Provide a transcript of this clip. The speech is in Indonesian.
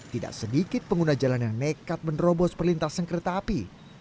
tidak sedikit pengguna jalan yang nekat menerobos perlintasan kereta api